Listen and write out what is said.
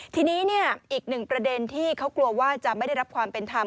ทีนี้อีกหนึ่งประเด็นที่เขากลัวว่าจะไม่ได้รับความเป็นธรรม